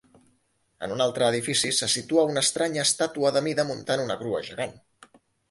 En un altre edifici, se situa una estranya estàtua d'Amida muntant una grua gegant.